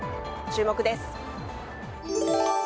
注目です。